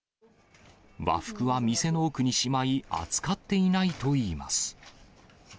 和服は店の奥にしまい、扱っていないといいます。